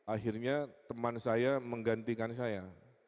akhirnya teman saya menggantikan saya